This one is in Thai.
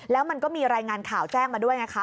แล้วมันก็มีรายงานข่าวแจ้งมาด้วยไงคะ